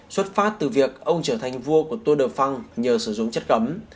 xuất phát từ việc ông trở thành vua của tour de france nhờ sử dụng chất gấm